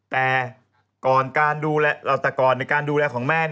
แต่ก่อนการดูแลแต่ก่อนในการดูแลของแม่